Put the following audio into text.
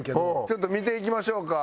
ちょっと見ていきましょうか？